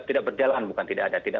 tidak berjalan bukan tidak ada tidak